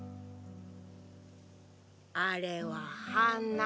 あれは「花」。